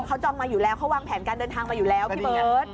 เขาจองมาอยู่แล้วเขาวางแผนการเดินทางมาอยู่แล้วพี่เบิร์ต